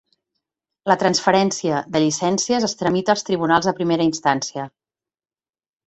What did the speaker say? La transferència de llicències es tramita als tribunals de primera instància.